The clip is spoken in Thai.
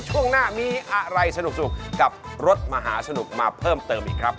ช่วงหน้ามีอะไรสนุกกับรถมหาสนุกมาเพิ่มเติมอีกครับ